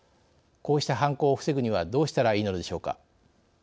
こうした犯行を防ぐにはどうしたらいいのでしょうか。